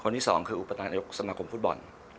คนที่๒คืออุปถันทหร่ายสมาคมฟุตบอล